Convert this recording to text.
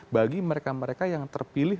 bagi mereka mereka yang terpilih